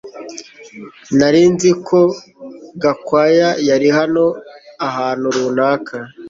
Nari nzi ko Gakwaya yari hano ahantu runaka